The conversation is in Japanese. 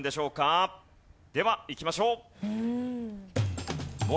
ではいきましょう。